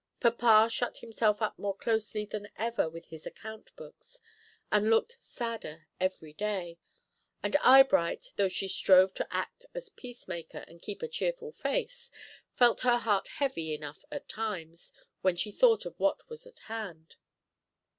Papa shut himself up more closely than ever with his account books, and looked sadder every day; and Eyebright, though she strove to act as peacemaker and keep a cheerful face, felt her heart heavy enough at times, when she thought of what was at hand.